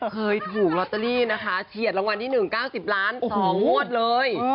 เคยถูกลอตเตอรี่นะคะเฉียดรางวัลที่๑๙๐ล้าน๒งวดเลย